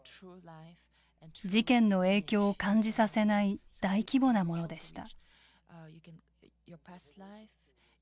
事件の影響を感じさせない大規模なものでした。